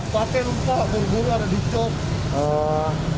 pak berburu ada di cok